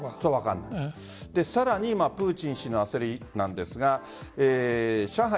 さらにプーチン氏の焦りなんですが上海